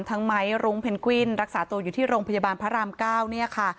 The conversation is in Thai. ไม้รุ้งเพนกวินรักษาตัวอยู่ที่โรงพยาบาลพระราม๙เนี่ยค่ะ